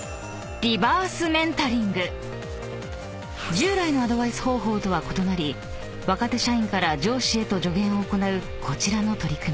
［従来のアドバイス方法とは異なり若手社員から上司へと助言を行うこちらの取り組み］